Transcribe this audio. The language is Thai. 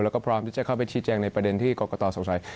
แล้วก็พร้อมที่จะเข้าไปชี้แจงในประเด็นที่กรกตสงสัย